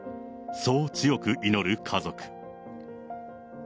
そう強く祈る家族。